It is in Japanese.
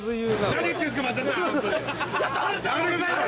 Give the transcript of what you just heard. やめてくださいよ！